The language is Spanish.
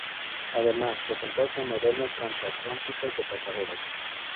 Además, se contó con modernos transatlánticos de pasajeros.